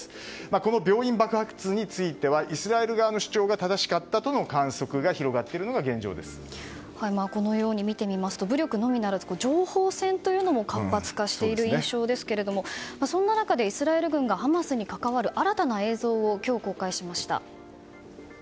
この病院爆発についてはイスラエル側の主張が正しかったとの観測がこのように見てみますと武力のみならず情報戦というのも活発化している印象ですがそんな中、イスラエル軍がハマスに関わる新たな映像を今日公開しました。